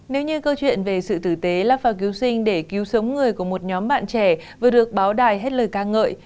nếu như câu chuyện về sự tử tế lapfa cứu sinh để cứu sống người của một nhóm bạn trẻ vừa được báo đài hết lời ca ngợi